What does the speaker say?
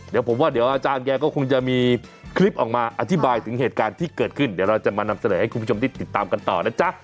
เดี๋ยวผมว่าเดี๋ยวอาจารย์แกก็คงจะมีคลิปออกมาอธิบายถึงเหตุการณ์ที่เกิดขึ้นเดี๋ยวเราจะมานำเสนอให้คุณผู้ชมได้ติดตามกันต่อนะจ๊ะ